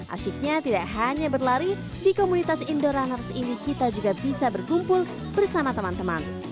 asyiknya tidak hanya berlari di komunitas indo runners ini kita juga bisa berkumpul bersama teman teman